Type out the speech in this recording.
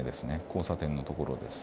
交差点の所です。